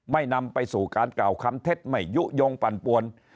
นำไปสู่การกล่าวคำเท็จไม่ยุโยงปั่นปวน